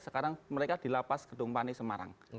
sekarang mereka dilapas gedung pane semarang